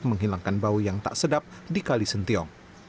menghilangkan bau yang tak sedap di kalisentiong